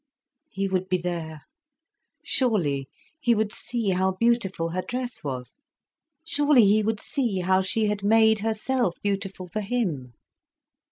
He would be there, surely he would see how beautiful her dress was, surely he would see how she had made herself beautiful for him.